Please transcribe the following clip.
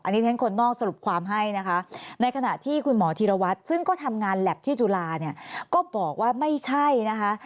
อันนี้ที่ฉันคนนอกสรุปความให้นะคะในขณะที่คุณหมอธีรวัตรซึ่งก็ทำงานแล็บที่จุฬาเนี่ยก็บอกว่าไม่ใช่นะคะ